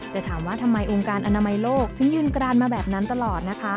แต่ถามว่าทำไมองค์การอนามัยโลกถึงยืนกรานมาแบบนั้นตลอดนะคะ